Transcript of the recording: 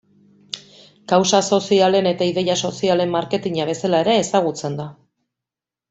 Kausa sozialen eta ideia sozialen marketina bezala ere ezagutzen da.